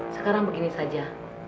sekarang begini saja